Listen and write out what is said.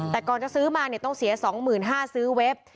แต่ก่อนจะซื้อมาต้องเสีย๒๕๐๐บาทซื้อเว็บ